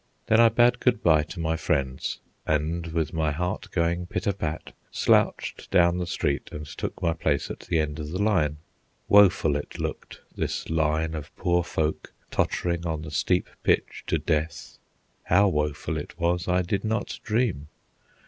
Then I bade good bye to my friends, and with my heart going pit a pat, slouched down the street and took my place at the end of the line. Woeful it looked, this line of poor folk tottering on the steep pitch to death; how woeful it was I did not dream.